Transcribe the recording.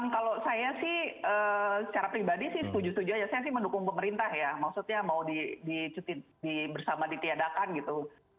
kalau saya sih secara pribadi sih setuju setuju aja saya sih mendukung pemerintah ya maksudnya mau dicuti bersama ditiadakan gitu